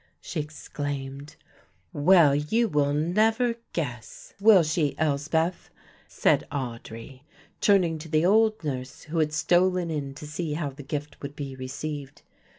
she exclaimed. "Well, you will never guess, will she, Elspeth?" said Audry, turning to the old nurse who had stolen in to see how the gift would be received.